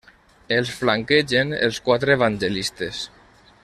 Els flanquegen els Quatre Evangelistes.